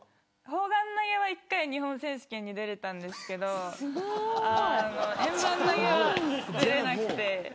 砲丸投げは１回日本選手権に出れたんですけど円盤投げは出れなくて。